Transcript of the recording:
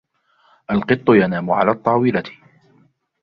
القط ينام على الطاولة.